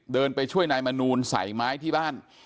ไปช่วยนายมนูลใส่ไม้ที่บ้าน